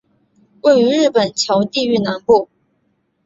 位于日本桥地域南部。